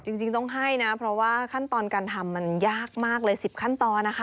จริงต้องให้นะเพราะว่าขั้นตอนการทำมันยากมากเลย๑๐ขั้นตอนนะคะ